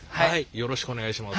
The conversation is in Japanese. よろしくお願いします。